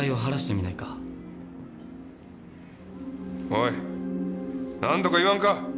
おいなんとか言わんか！